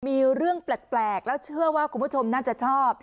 มีเรื่องแปลกแล้วเชื่อว่าคุณผู้ชมน่าจะชอบ